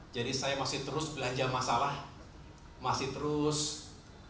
jadi saya masih terus belanja masalah masih terus memetakan apa saja yang menjadi isu